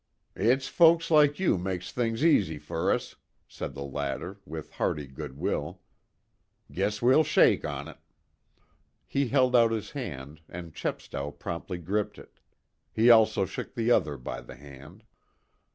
"It's folks like you makes things easy fer us," added the latter, with hearty good will. "Guess we'll shake on it." He held out his hand, and Chepstow promptly gripped it. He also shook the other by the hand.